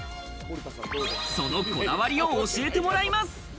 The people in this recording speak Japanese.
そのこだわりを教えてもらいます。